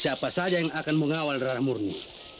siapa saja yang akan mengawal darah murni